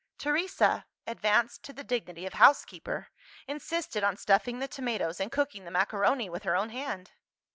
Teresa (advanced to the dignity of housekeeper) insisted on stuffing the tomatoes and cooking the macaroni with her own hand.